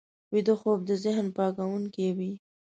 ویده خوب د ذهن پاکوونکی وي